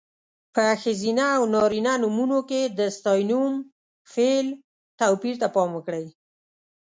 په ښځینه او نارینه نومونو کې د ستاینوم، فعل... توپیر ته پام وکړئ.